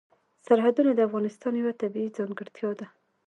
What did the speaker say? سرحدونه د افغانستان یوه طبیعي ځانګړتیا ده.